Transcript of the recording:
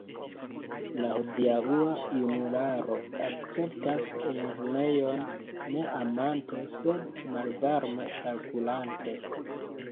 La hodiaŭa junularo akceptas lernejojn ne amante, sed malvarme kalkulante.